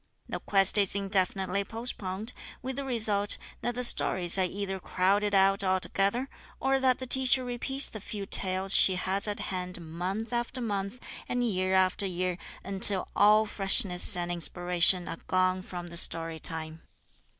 The quest is indefinitely postponed, with the result that the stories are either crowded out altogether, or that the teacher repeats the few tales she has at hand month after month, and year after year, until all freshness and inspiration are gone from the story time.